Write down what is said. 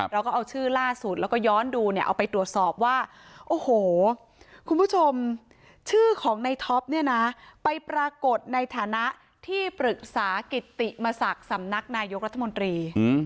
เราก็เอาชื่อล่าสุดแล้วก็ย้อนดูเนี่ยเอาไปตรวจสอบว่าโอ้โหคุณผู้ชมชื่อของในท็อปเนี่ยนะไปปรากฏในฐานะที่ปรึกษากิติมศักดิ์สำนักนายกรัฐมนตรี